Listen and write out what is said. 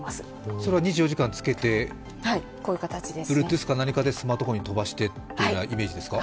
それは２４時間つけてＢｌｕｅｔｏｏｔｈか何かでスマートフォンに飛ばしてというようなイメージですか？